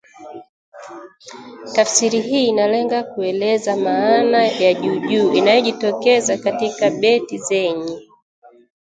Tafsiri hii inalenga kueleza maana ya juujuu inayojitokeza katika beti zenye